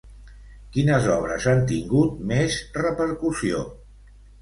Quines obres han tingut més repercussió?